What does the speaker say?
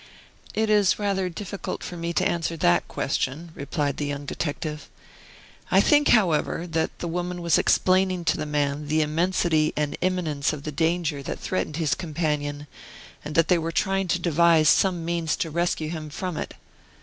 "It is rather difficult for me to answer that question," replied the young detective, "I think, however, that the woman was explaining to the man the immensity and imminence of the danger that threatened his companion, and that they were trying to devise some means to rescue him from it.